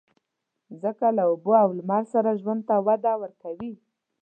مځکه له اوبو او لمر سره ژوند ته وده ورکوي.